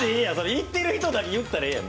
行ってる人だけ言ったらええやん。